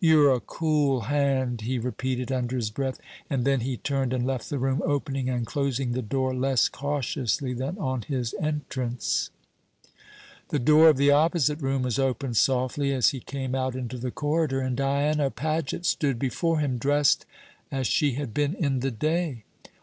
"You're a cool hand," he repeated, under his breath. And then he turned and left the room, opening and closing the door less cautiously than on his entrance. The door of the opposite room was opened softly as he came out into the corridor, and Diana Paget stood before him, dressed as she had been in the day.